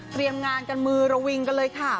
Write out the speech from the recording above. งานกันมือระวิงกันเลยค่ะ